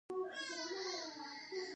د بدن د ویښتو لپاره د موبری پوډر وکاروئ